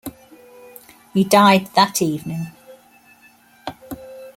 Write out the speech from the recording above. He died that evening.